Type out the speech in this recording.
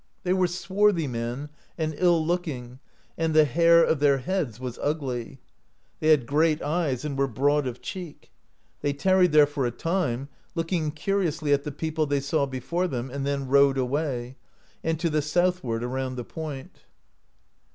They were swarthy men and ill looking, and the hair of their heads was ugly. They had great eyes, and were broad of cheek (54). They tarried there for a time looking curiously at the people they saw before them, and then rowed away, and to the southward around the point.